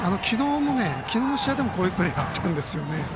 昨日の試合でもこういうプレーがあったんです。